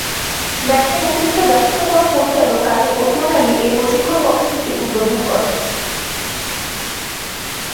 ব্যাংকের অতিরিক্ত ব্যবস্থাপনা পরিচালক কাজী ওসমান আলী এ প্রশিক্ষণ কর্মসূচি উদ্বোধন করেন।